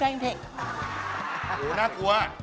โหน่ากลัว